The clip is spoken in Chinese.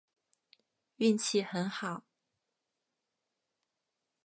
运气很好